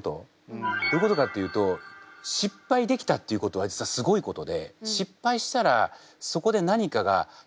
どういうことかっていうと失敗できたっていうことは実はすごいことで失敗したらそこで何かが学べますよね経験できますよね。